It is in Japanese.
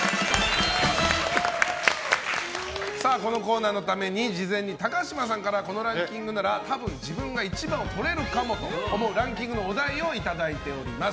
このコーナーのために事前に高嶋さんからこのランキングなら多分自分が一番をとれるかもと思うランキングのお題をいただいております。